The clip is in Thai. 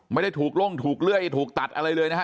ไม่ได้ถูกล่มถูกเลื่อยถูกตัดอะไรเลยนะฮะ